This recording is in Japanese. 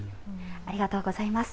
ありがとうございます。